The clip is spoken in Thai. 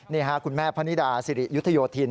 นี่ค่ะคุณแม่พนิดาสิริยุทธโยธิน